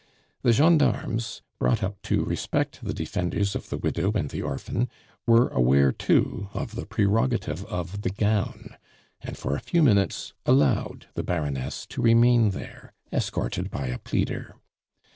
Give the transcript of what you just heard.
The gendarmes, brought up to respect the defenders of the widow and the orphan, were aware too of the prerogative of the gown, and for a few minutes allowed the Baroness to remain there escorted by a pleader.